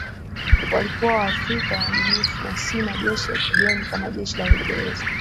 Walikuwa Waafrika waaminifu na si majeshi ya kigeni kama Jeshi la Uingereza